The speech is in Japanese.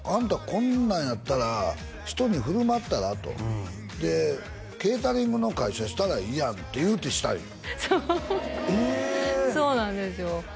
こんなんやったら人に振る舞ったらとでケータリングの会社したらいいやんっていうてしたんよそうそうなんですよえ！